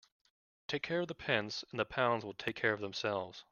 Take care of the pence and the pounds will take care of themselves.